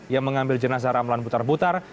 yang mengambil jenazah ramlan butar butar